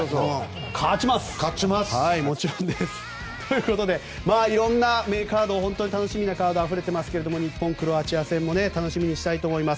勝ちます！ということで、いろんな名カード本当に楽しみなカードがあふれていますが日本、クロアチア戦も楽しみにしたいと思います。